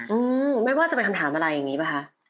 อืมไม่ว่าจะเป็นคำถามอะไรอย่างนี้ป่ะคะ